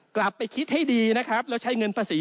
กลับไปคิดให้ดีใช้เงินภาษี